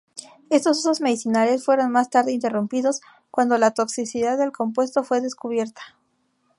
Estos usos medicinales fueron más tarde interrumpidos cuando la toxicidad del compuesto fue descubierta.